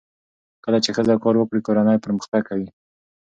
کله چې ښځه کار وکړي، کورنۍ پرمختګ کوي.